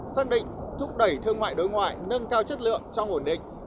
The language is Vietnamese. xác định thúc đẩy thương mại đối ngoại nâng cao chất lượng trong ổn định